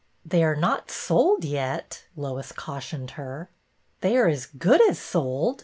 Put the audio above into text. " They are not sold yet," Lois cautioned her. " They are as good as sold!